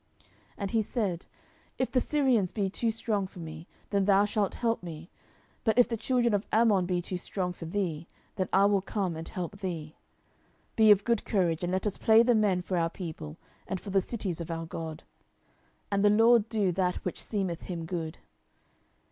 10:010:011 And he said, If the Syrians be too strong for me, then thou shalt help me: but if the children of Ammon be too strong for thee, then I will come and help thee. 10:010:012 Be of good courage, and let us play the men for our people, and for the cities of our God: and the LORD do that which seemeth him good.